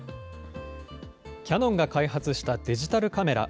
キヤノンが開発したデジタルカメラ。